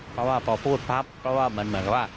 เพราะว่าพอพูดพับเพราะว่ามันเหมือนกับว่า